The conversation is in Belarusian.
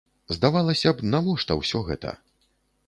Здавалася б, навошта ўсё гэта?